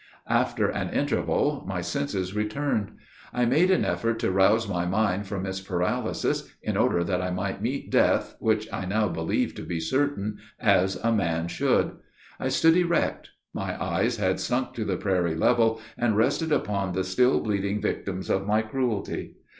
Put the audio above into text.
After an interval, my senses returned. I made an effort to rouse my mind from its paralysis, in order that I might meet death, which I now believed to be certain, as a man should. I stood erect. My eyes had sunk to the prairie level, and rested upon the still bleeding victims of my cruelty.